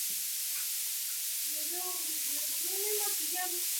Esporádicamente fue capitán de la Selección de Ecuador.